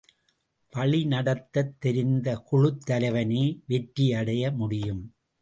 வழி நடத்தத் தெரிந்த குழுத் தலைவனே வெற்றியடைய முடியும்.